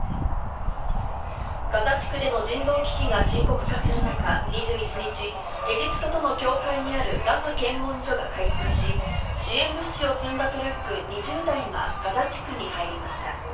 ガザ地区での人道危機が深刻化する中、２１日、エジプトとの境界にあるラファ検問所が開通し、支援物資を積んだトラック２０台がガザ地区に入りました。